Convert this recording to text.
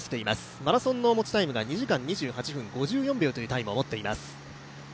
マラソンの持ちタイムが２時間２８分５４秒というタイムを持っています。